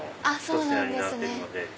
そうなんですね。